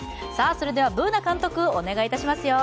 それではＢｏｏｎａ監督、お願いしますよ。